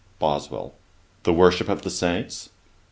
BOSWELL. 'The worship of Saints?'